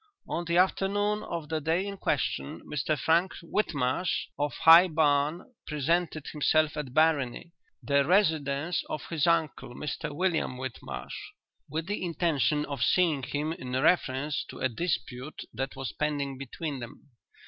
"'On the afternoon of the day in question, Mr Frank Whitmarsh, of High Barn, presented himself at Barony, the residence of his uncle, Mr William Whitmarsh, with the intention of seeing him in reference to a dispute that was pending between them.